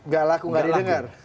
gak laku gak didengar